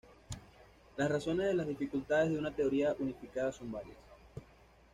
Las razones de las dificultades de una teoría unificada son varias.